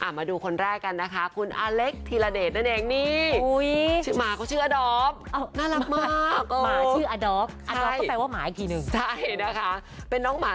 มาดูคนแรกกันนะคะ